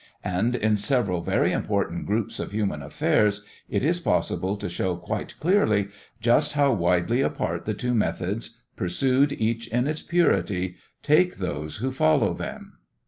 And in several very important groups of human affairs it is possible to show quite clearly just how widely apart the two methods, pursued each in its purity, take those who follow them.